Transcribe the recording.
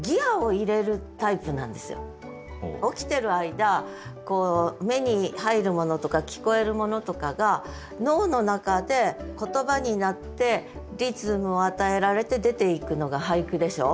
私は起きてる間目に入るものとか聞こえるものとかが脳の中で言葉になってリズムを与えられて出ていくのが俳句でしょ？